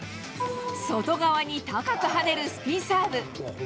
外側に高く跳ねるスピンサーブ。